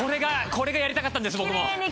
これがやりたかったんです僕も。